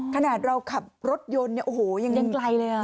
ขนาดเราขับรถยนต์เนี่ยโอ้โหยังไกลเลยอ่ะ